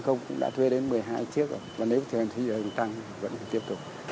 chúng ta đã thuê đến một mươi hai chiếc và nếu có thể thì hình tăng vẫn phải tiếp tục